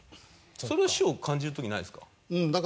それは師匠感じる時ないですか？